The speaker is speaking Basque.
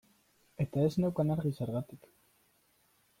Eta ez neukan argi zergatik.